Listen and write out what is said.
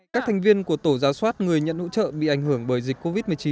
các thành viên của tổ giáo soát người nhận hỗ trợ bị ảnh hưởng bởi dịch covid một mươi chín